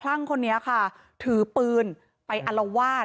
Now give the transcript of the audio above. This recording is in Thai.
ลั่งคนนี้ค่ะถือปืนไปอลวาด